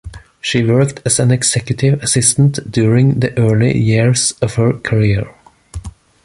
She worked as an executive assistant during the early years of her career.